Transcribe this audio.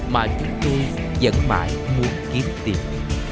mà chúng tôi vẫn mãi muốn kiếm tìm